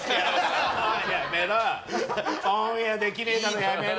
オンエアできねえだろやめろ。